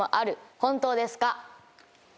本当ですか？